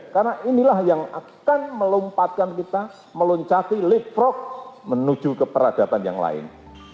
karena inilah yang akan melompatkan kita meloncati lipfrog menuju ke peradatan yang lain